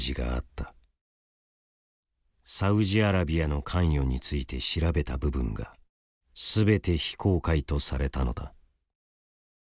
サウジアラビアの関与について調べた部分が全て非公開とされたのだ。